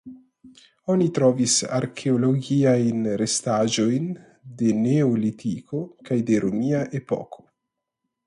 Oni trovis arkeologiajn restaĵojn de Neolitiko kaj de romia epoko.